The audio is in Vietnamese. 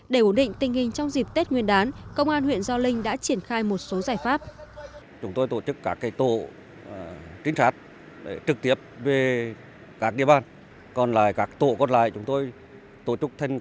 để uống rượu bia xong lực lượng công an huyện do linh cũng gặp không ít những khó khăn